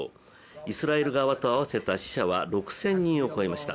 イスラエル側と合わせた死者は６０００人を超えました。